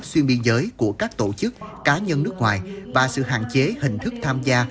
xuyên biên giới của các tổ chức cá nhân nước ngoài và sự hạn chế hình thức tham gia